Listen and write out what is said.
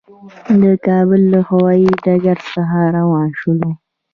د کابل له هوایي ډګر څخه روان شولو.